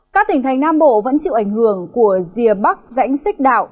các tỉnh thành nam bộ vẫn chịu ảnh hưởng của rìa bắc rãnh xích đạo